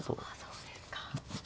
そうですか。